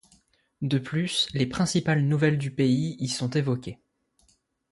De plus, les principales nouvelles du pays y sont évoquées.